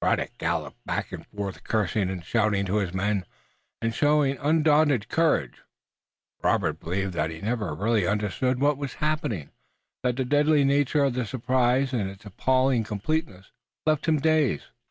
Braddock galloped back and forth, cursing and shouting to his men, and showing undaunted courage. Robert believed that he never really understood what was happening, that the deadly nature of the surprise and its appalling completeness left him dazed.